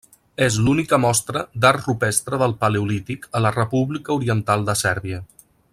És l'única mostra d'art rupestre del Paleolític a la República Oriental de Sèrbia.